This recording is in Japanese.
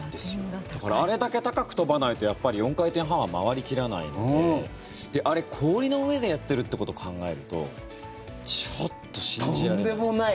あれだけ高く跳ばないと４回転半は回り切らないのであれ、氷の上でやってるってこと考えるとちょっと信じられない。